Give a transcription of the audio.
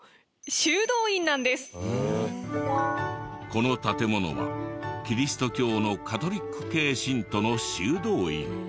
この建物はキリスト教のカトリック系信徒の修道院。